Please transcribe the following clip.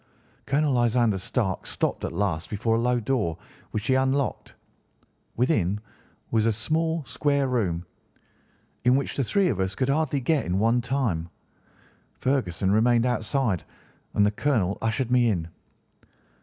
"Colonel Lysander Stark stopped at last before a low door, which he unlocked. Within was a small, square room, in which the three of us could hardly get at one time. Ferguson remained outside, and the colonel ushered me in.